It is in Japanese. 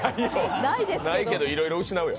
ないけどいろいろ失うよ。